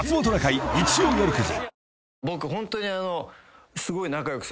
僕ホントに。